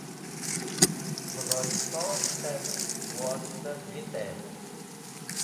Khũdhoy-e pok ta’r woyista vitey.